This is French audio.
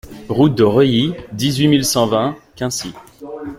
Route de Reuilly, dix-huit mille cent vingt Quincy